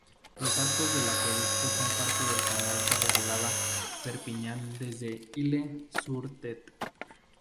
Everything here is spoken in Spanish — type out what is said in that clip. Los arcos del acueducto son parte del canal que regaba Perpiñán desde Ille-sur-Tet.